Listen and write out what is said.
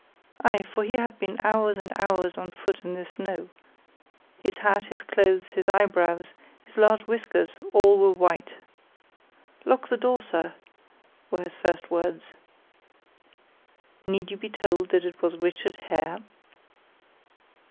Aye, for he had been hours and hours on foot in the snow; his hat, his clothes, his eyebrows, his large whiskers, all were white. "Lock the door, sir," were his first words. Need you be told that it was Richard Hare?